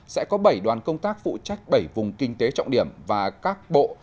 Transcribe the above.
sẽ có bảy đoàn công tác phụ trách bảy vùng kinh tế trọng điểm và các bộ